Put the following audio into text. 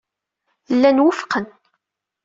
Llan wufqen.